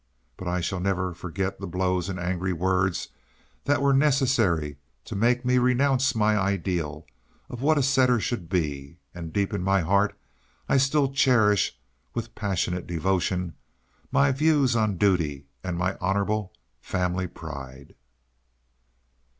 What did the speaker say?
But I shall never forget the blows and angry words that were necessary to make me renounce my ideal of what a setter should be; and deep in my heart I still cherish, with passionate devotion, my views on duty, and my honourable family pride.